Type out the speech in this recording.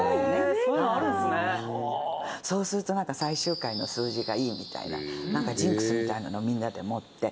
「すごい」「そうするとなんか最終回の数字がいいみたいななんかジンクスみたいなのをみんなで持って」